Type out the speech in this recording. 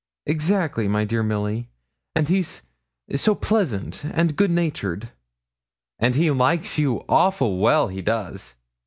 'Exactly, my dear Milly; and he's so pleasant and good natured.' 'And he likes you awful well, he does.'